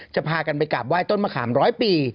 พากันไปกราบไห้ต้นมะขามร้อยปี